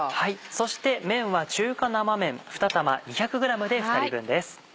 そして麺は中華生めん２玉２００ｇで２人分です。